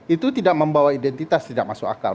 itu tidak membawa identitas tidak masuk akal